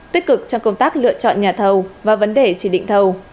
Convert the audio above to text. tích cực trong công tác lựa chọn nhà thầu và vấn đề chỉ định thầu